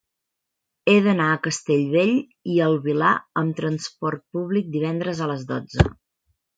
He d'anar a Castellbell i el Vilar amb trasport públic divendres a les dotze.